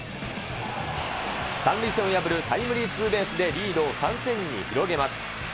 ３塁線を破るタイムリーツーベースでリードを３点に広げます。